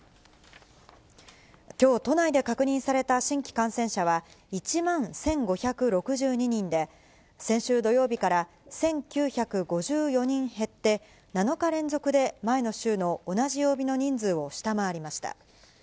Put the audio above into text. きょう、都内で確認された新規感染者は１万１５６２人で、先週土曜日から１９５４人減って、７日連続で前の週の同じ曜日の人数を下回りました。